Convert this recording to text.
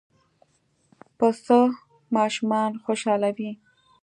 پسه ماشومان خوشحالوي.